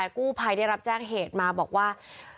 กู้ภัยได้รับแจ้งเหตุมาบอกว่า